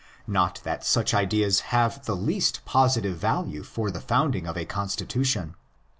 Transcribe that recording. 'Not that such ideas have the least positive value for the founding of a constitution.